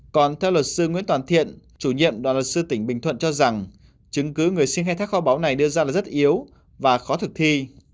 còn theo luật sư nguyễn toàn thiện chủ nhiệm đoàn luật sư tỉnh bình thuận cho rằng chứng cứ người xin khai thác kho báu này đưa ra là rất yếu và khó thực thi